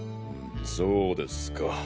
そうですか。